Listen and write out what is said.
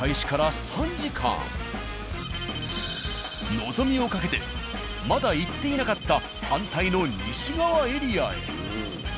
望みをかけてまだ行っていなかった反対の西側エリアへ。